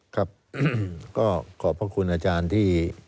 ครับก็ขอบพระคุณอาจารย์ที่